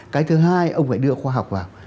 cái thứ hai ông phải đưa khoa học vào